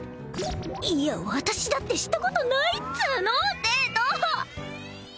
いや私だってしたことないっつーのデートだ